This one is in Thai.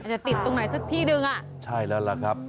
จะติดตรงไหนสักที่หนึ่งอ่ะใช่แล้วล่ะครับ